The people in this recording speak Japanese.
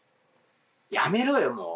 やめろよ、もう。